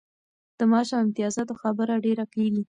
د معاش او امتیازاتو خبره ډېره کیږي.